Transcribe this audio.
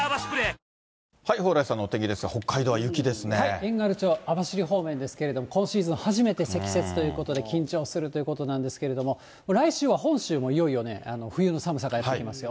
遠軽町、網走方面ですけれども、今シーズン初めての積雪ということで緊張するということなんですけれども、来週は本州もいよいよね、冬の寒さがやって来ますよ。